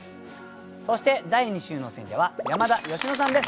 そして第２週の選者は山田佳乃さんです。